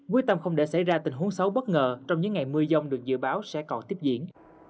quyết tâm không để xảy ra tình huống xấu bất ngờ trong những ngày mưa dông được dự báo sẽ còn tiếp diễn